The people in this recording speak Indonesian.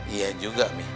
iya juga mbak